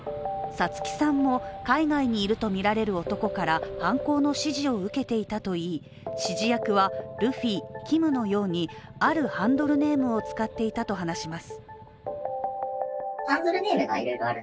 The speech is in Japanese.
皐月さんも海外にいるとみられる男から犯行の指示を受けていたといい指示役は、ルフィ、キムのようにあるハンドルネームを使っていたと話します。